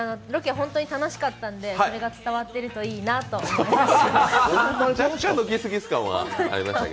本当に楽しかったのでそれが伝わっているといいなと思います。